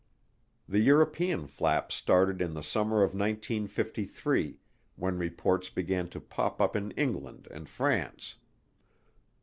The European Flap started in the summer of 1953, when reports began to pop up in England and France.